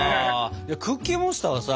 クッキーモンスターはさ